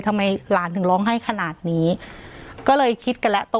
ทำไมหลานถึงร้องไห้ขนาดนี้ก็เลยคิดกันแล้ว